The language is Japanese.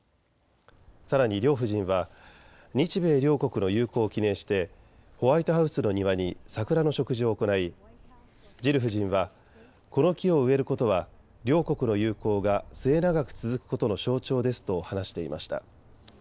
さらに両夫人は日米両国の友好を記念してホワイトハウスの庭に桜の植樹を行いジル夫人はこの木を植えることは両国の友好が末永く続くことの象徴ですと話していました。